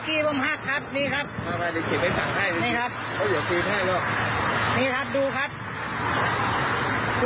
นี่ครับไปกับขี่บ้วมหักเลยครับ